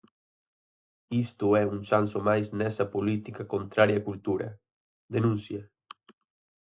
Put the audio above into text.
Isto é un chanzo máis nesa política contraria á cultura, denuncia.